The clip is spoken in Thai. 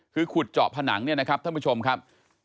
คือขุดเจาะผนังเนี่ยนะครับท่านผู้ชมครับ